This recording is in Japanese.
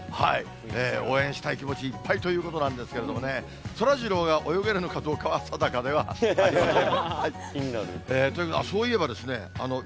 応援したい気持ちいっぱいということなんですけれどもね、そらジローが泳げるのかどうかは定かではありません。